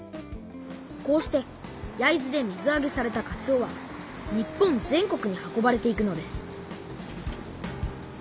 こうして焼津で水あげされたかつおは日本全国に運ばれていくのです